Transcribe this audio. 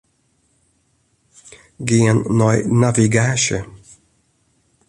Gean nei navigaasje.